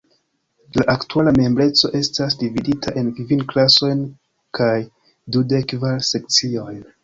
La aktuala membreco estas dividita en kvin klasojn kaj dudek kvar sekciojn.